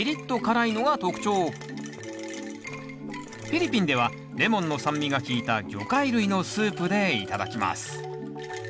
フィリピンではレモンの酸味が利いた魚介類のスープで頂きます。